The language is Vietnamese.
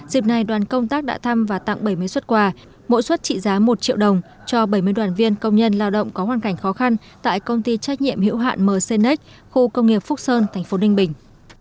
dịp này đoàn công tác đã thăm và tặng bảy mươi xuất quà mỗi xuất trị giá một triệu đồng cho bảy mươi đoàn viên công nhân lao động có hoàn cảnh khó khăn tại công ty trách nhiệm hữu hạn mcnec khu công nghiệp phúc sơn thành phố ninh bình